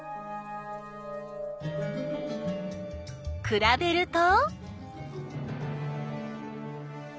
くらべると？